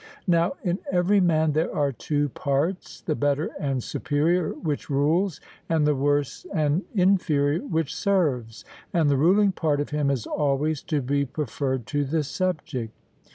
Now in every man there are two parts: the better and superior, which rules, and the worse and inferior, which serves; and the ruling part of him is always to be preferred to the subject.